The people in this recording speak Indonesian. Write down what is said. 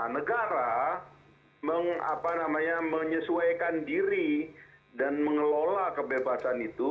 negara menyesuaikan diri dan mengelola kebebasan itu